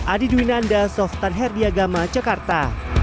adi dwinanda softan herdiagama jakarta